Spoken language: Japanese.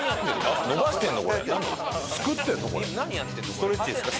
ストレッチですか？